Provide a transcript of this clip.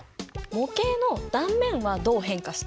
模型の断面はどう変化した？